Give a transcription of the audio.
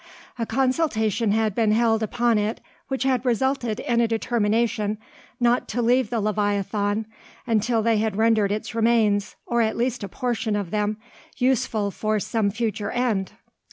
A consultation had been held upon it, which had resulted in a determination not to leave the leviathan until they had rendered its remains, or at least a portion of them, useful for some future end.